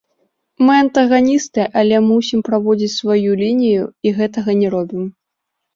Мы антаганісты, але мусім праводзіць сваю лінію, і гэтага не робім.